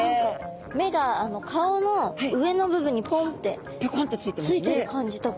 目が顔の上の部分にぽんってついている感じとか。